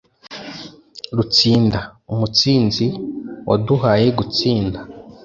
rutsinda: umutsinzi uwaduhaye gutsinda